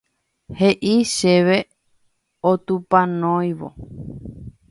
He'i chéve otupanóivo